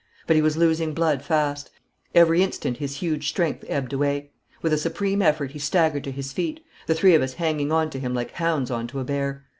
But he was losing blood fast. Every instant his huge strength ebbed away. With a supreme effort he staggered to his feet, the three of us hanging on to him like hounds on to a bear.